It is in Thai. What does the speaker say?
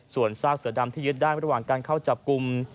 ส่วนซากเสือดำที่ยึดได้ระหว่างการเข้าจับกลุ่ม